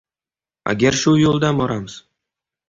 Agar shu yo‘ldan boramiz.